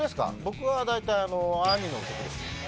僕は大体兄の曲ですね。